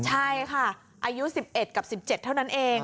ใช่ค่ะอายุ๑๑กับ๑๗เท่านั้นเอง